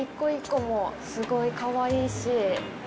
ああいう窓一個一個もすごいかわいいし。